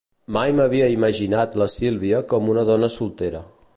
Mai no m'havia imaginat la Sílvia com una dona soltera.